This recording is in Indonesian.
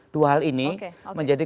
dua hal ini menjadi